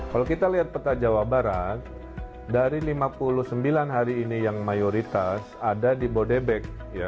kalau kita lihat peta jawa barat dari lima puluh sembilan hari ini yang mayoritas ada di bodebek